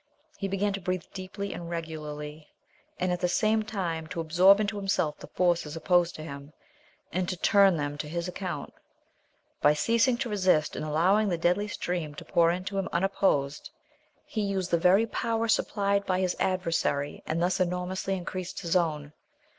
He began to breathe deeply and regularly, and at the same time to absorb into himself the forces opposed to him, and to turn them to his account. By ceasing to resist, and allowing the deadly stream to pour into him unopposed, he used the very power supplied by his adversary and thus enormously increased his own.